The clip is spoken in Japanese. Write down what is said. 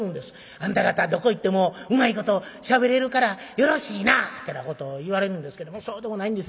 「あんた方どこ行ってもうまいことしゃべれるからよろしいな」ってなことを言われるんですけどもそうでもないんですよ。